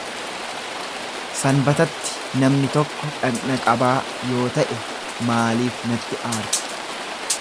Sanbatatti namni tokko dhagna qabaa yoo ta’e, maaliif natti aartu?